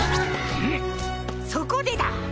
そこでだ